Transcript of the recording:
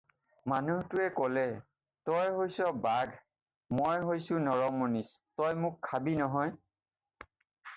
"মানুহটোৱে ক'লে- "তই হৈছ বাঘ, মই হৈছোঁ নৰমনিচ, তই মোক খাবি নহয়?"